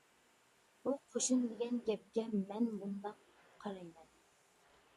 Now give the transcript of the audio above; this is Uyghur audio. بۇ قوشۇن دېگەن گەپكە مەن مۇنداق قارايمەن.